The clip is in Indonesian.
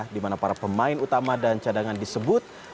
di mana para pemain utama dan cadangan disebut